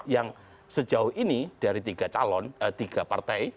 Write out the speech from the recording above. yang sejauh ini dari tiga calon tiga partai